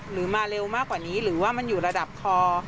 มาเร็วมากกว่านี้หรือว่ามันอยู่ระดับคอ